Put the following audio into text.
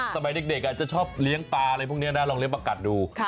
สมัยเด็กจะชอบเลี้ยงปลาอะไรพวกนี้นะลองเลี้ประกัดดู